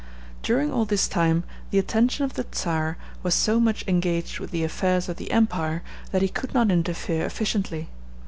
During all this time the attention of the Czar was so much engaged with the affairs of the empire that he could not interfere efficiently.